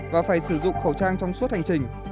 và phải sử dụng khẩu trang trong suốt hành trình